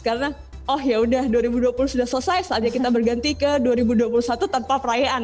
karena oh yaudah dua ribu dua puluh sudah selesai saatnya kita berganti ke dua ribu dua puluh satu tanpa perayaan